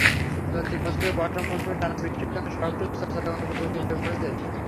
চলতি বছরের বর্ষা মৌসুমে টানা বৃষ্টির কারণে সড়কটি চলাচলের অনুপযোগী হয়ে পড়েছে।